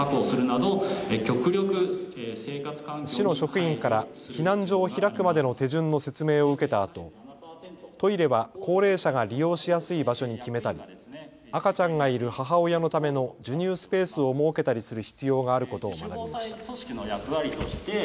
市の職員から避難所を開くまでの手順の説明を受けたあと、トイレは高齢者が利用しやすい場所に決めたり、赤ちゃんがいる母親のための授乳スペースを設けたりする必要があることを学びました。